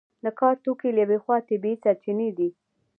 د کار توکي له یوې خوا طبیعي سرچینې دي.